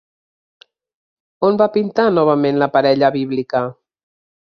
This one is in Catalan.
On va pintar novament la parella bíblica?